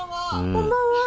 こんばんは。